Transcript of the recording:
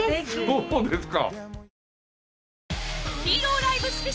そうですか？